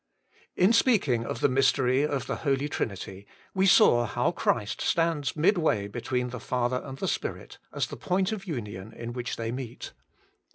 In speaking of the mystery of the Holy Trinity, we saw how Christ stands midway between the Father and the Spirit, as the point of union in which they meet.